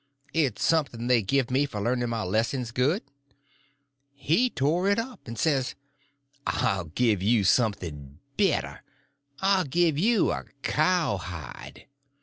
"It's something they give me for learning my lessons good." He tore it up, and says: "I'll give you something better—I'll give you a cowhide."